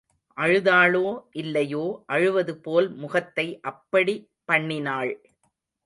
அழுதாளோ இல்லையோ, அழுவதுபோல் முகத்தை அப்படி பண்ணினாள்.